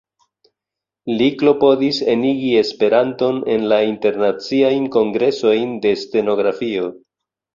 Li klopodis enigi Esperanton en la internaciajn kongresojn de stenografio.